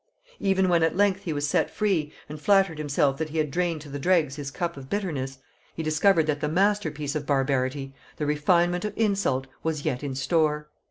Even when at length he was set free, and flattered himself that he had drained to the dregs his cup of bitterness, he discovered that the masterpiece of barbarity, the refinement of insult, was yet in store.